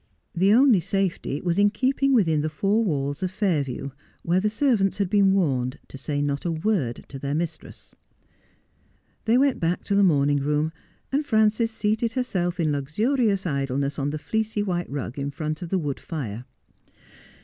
The only safety was in keeping within the four walls of Fairview, where the servants had been warned to say not a word to their mistress. They went back to the morning room, and Frances seated herself in luxurious idleness on the fleecy white rug in front of the wood fire.